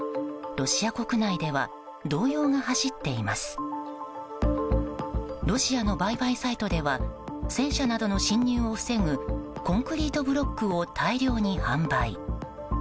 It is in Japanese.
ロシアの売買サイトでは戦車などの侵入を防ぐコンクリートブロックを大量に販売。